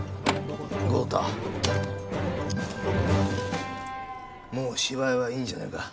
豪太もう芝居はいいんじゃねえか？